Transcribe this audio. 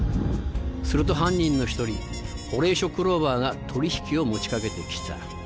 すると犯人の一人ホレイショ・クローバーが取引を持ち掛けて来た。